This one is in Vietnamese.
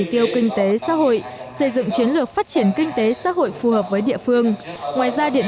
tiêu kinh tế xã hội xây dựng chiến lược phát triển kinh tế xã hội phù hợp với địa phương ngoài ra điện